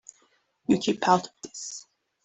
You keep out of this.